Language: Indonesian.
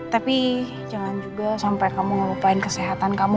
tapi jangan juga sampai kamu ngelupain kesehatan kamu